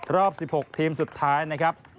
รอบ๑๖ทีมสุดท้ายนะครับ